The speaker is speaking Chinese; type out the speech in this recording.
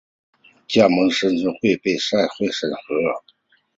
加盟申请会被赛会审核。